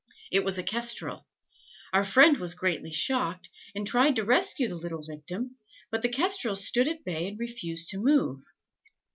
It was a kestrel: our friend was greatly shocked, and tried to rescue the little victim; but the kestrel stood at bay and refused to move.